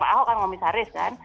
pak ahok kan komisaris kan